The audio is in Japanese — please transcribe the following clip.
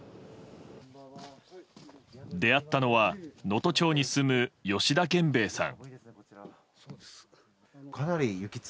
出会ったのは能登町に住む吉田源兵衛さん。